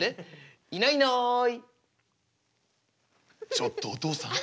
ちょっとお父さん？